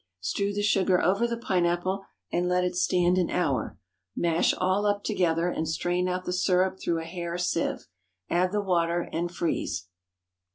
Strew the sugar over the pineapple and let it stand an hour. Mash all up together, and strain out the syrup through a hair sieve. Add the water and freeze.